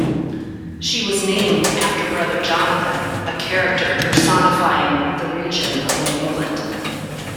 She was named after Brother Jonathan, a character personifying the region of New England.